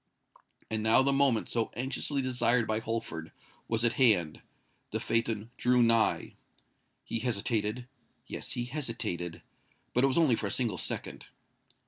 And now the moment so anxiously desired by Holford, was at hand:—the phaeton drew nigh. He hesitated:—yes—he hesitated;—but it was only for a single second.